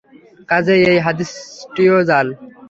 কাজেই এই হাদীসটিও জাল।